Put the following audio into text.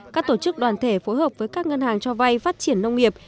các tổ chức đoàn thể phối hợp với các ngân hàng cho vay phát triển nông nghiệp